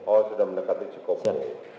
oh sudah mendekati cikopo